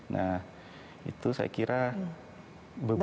nah itu saya kira beberapa